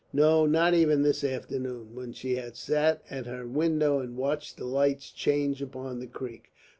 No, not even this afternoon, when she had sat at her window and watched the lights change upon the creek.